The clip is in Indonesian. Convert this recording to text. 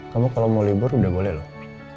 kamu kalau mau libur udah boleh loh